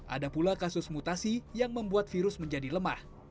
ada pula kasus mutasi yang membuat virus menjadi lemah